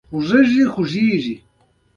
اوس د هنر خنډونه ډېر لږ دي.